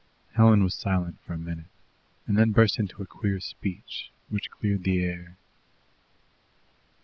Helen was silent for a minute, and then burst into a queer speech, which cleared the air.